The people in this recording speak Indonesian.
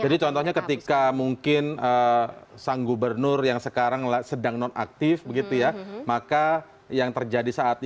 jadi contohnya ketika mungkin sang gubernur yang sekarang sedang non aktif begitu ya maka yang terjadi saat ini